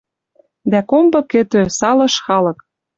Дӓ комбы кӹтӧ — салыш халык...